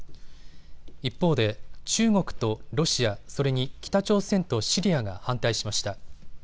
一方で中国とロシア、それに北朝鮮とシリアが反対しました。